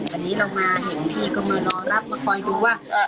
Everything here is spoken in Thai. ตอนนี้เรามาเห็นพี่กับเมื่อน้องรับมาคอยดูว่า